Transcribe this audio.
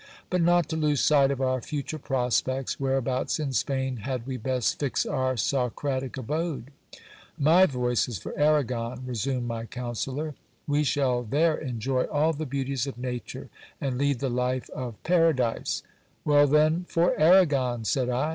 But, not to lose sight of our future prospects, whereabouts in Spain had we best fix our Socratiq abode ? My voice is for Arragon, resumed my counsellor. We shall there enjoy all the beauties of nature, and lead the life of JOYFUL MEETING OF GIL BLAS AXD DON ALPHOXSO. 33* Paradise. Well, then, for Arragon ! said I.